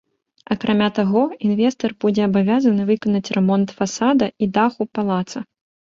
Акрамя таго, інвестар будзе абавязаны выканаць рамонт фасада і даху палаца.